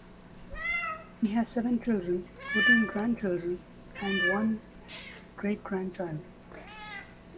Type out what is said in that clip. He has seven children, fourteen grandchildren, and one great-grandchild.